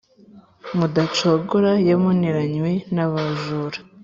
mudacogora yaboneranywe n’abajura.